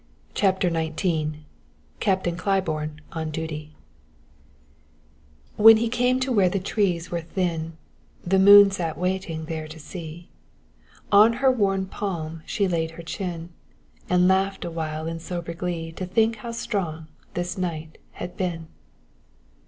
CHAPTER XIX CAPTAIN CLAIBORNE ON DUTY When he came where the trees were thin, The moon sat waiting there to see; On her worn palm she laid her chin, And laughed awhile in sober glee To think how strong this knight had been.